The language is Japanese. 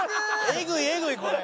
エグいエグいこれ。